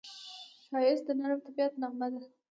ښایست د نرم طبیعت نغمه ده